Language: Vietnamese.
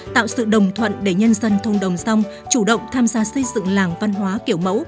tạo sự đồng thuận để nhân dân thôn đồng dòng chủ động tham gia xây dựng làng văn hóa kiểu mẫu